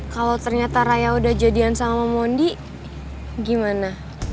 kalau ternyata raya udah jadian sama mondi gimana